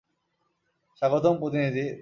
স্বাগতম, প্রতিনিধি।